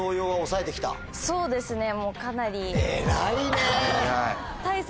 そうですねもうかなり。